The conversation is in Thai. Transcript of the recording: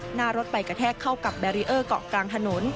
หน้ารถไปกระแทกเข้ากับแบรีเออร์เกาะกลางถนน